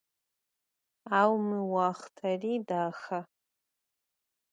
Au mı vuaxhteri daxe.